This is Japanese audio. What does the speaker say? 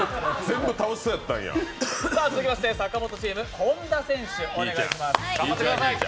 続きまして、阪本チーム本田選手、お願いします。